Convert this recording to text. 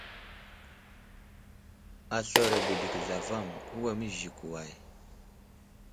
Aslər abədeki zlavaŋ, uway məziziki way ?